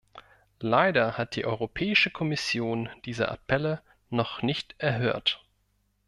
Leider hat die Europäische Kommission diese Appelle noch nicht erhört.